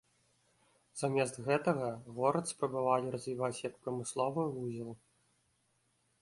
Замест гэтага, горад спрабавалі развіваць як прамысловы вузел.